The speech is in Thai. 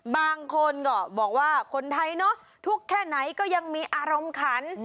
บางคนก็บอกว่าคนไทยเนอะทุกข์แค่ไหนก็ยังมีอารมณ์ขัน